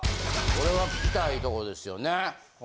これは聞きたいとこですよね。